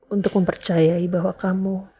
untuk mempercayai bahwa kamu